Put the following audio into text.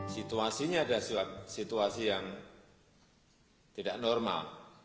situasinya adalah situasi yang tidak normal